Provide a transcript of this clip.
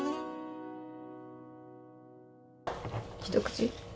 一口？